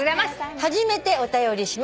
初めてお便りします」